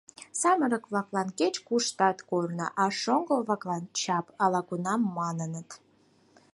«Самырык-влаклан кеч-кушкат — корно, а шоҥго-влаклан — чап», — ала-кунам маныныт.